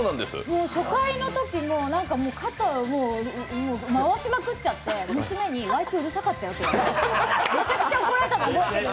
初回のときの肩回しまくっちゃって娘に「ワイプうるさかったよ」ってめちゃめちゃ怒られて。